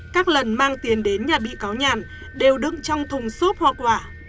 các lần mang tiền đến nhà bị cáo nhàn đều đứng trong thùng xốp hoạt quả